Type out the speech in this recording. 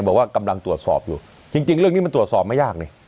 บอกว่ากำลังตรวจสอบอยู่จริงเรื่องนี้มันตรวจสอบไม่ยากนี่